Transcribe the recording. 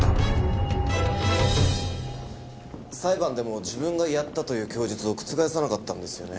裁判でも自分がやったという供述を覆さなかったんですよね。